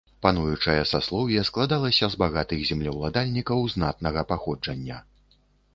Пануючае саслоўе складалася з багатых землеўладальнікаў знатнага паходжання.